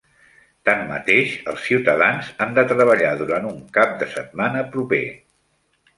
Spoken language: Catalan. Tanmateix, els ciutadans han de treballar durant un cap de setmana proper.